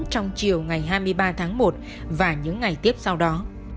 trong chiều ngày hai mươi ba tháng một và những ngày tiếp sau đó